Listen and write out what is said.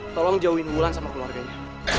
tolong jauhin wulan sama keluarganya